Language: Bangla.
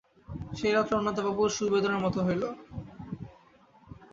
সেই রাত্রেই অন্নদাবাবুর শূলবেদনার মতো হইল।